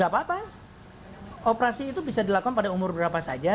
gak apa apa operasi itu bisa dilakukan pada umur berapa saja